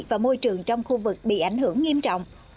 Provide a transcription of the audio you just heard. và môi trường trong khu vực bị ảnh hưởng nghiêm trọng